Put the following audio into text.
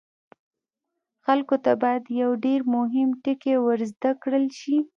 خلکو ته باید یو ډیر مهم ټکی ور زده کړل شي.